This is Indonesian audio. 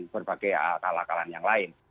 berbagai kalakalan yang lain